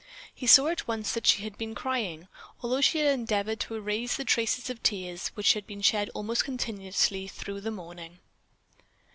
He saw at once that she had been crying, although she had endeavored to erase the traces of the tears which had been shed almost continuously through the morning.